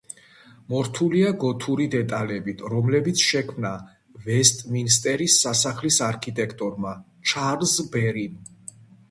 მორთულია გოთური დეტალებით, რომლებიც შექმნა ვესტმინსტერის სასახლის არქიტექტორმა, ჩარლზ ბერიმ.